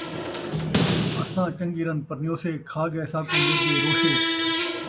اساں چنڳی رن پرنیوسے، کھا ڳئے ساکوں نت دے روشے